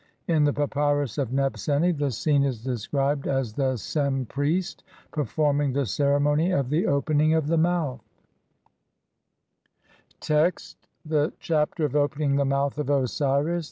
In the Papyrus of Nebseni the scene is described as "the Sem priest performing [the ceremony] of the 'Open ing of the Mouth'" (sheet 5). Text : (1) The Chapter of opening the mouth of Osiris.